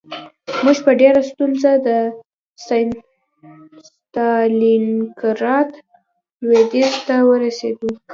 موږ په ډېره ستونزه د ستالینګراډ لویدیځ ته ورسېدو